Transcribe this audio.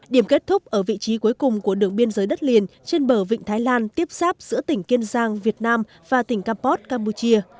điểm kết thúc ở vị trí cuối cùng của đường biên giới đất liền trên bờ vịnh thái lan tiếp sáp giữa tỉnh kiên giang việt nam và tỉnh campos campuchia